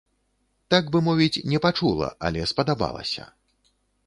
Так бы мовіць, не пачула, але спадабалася.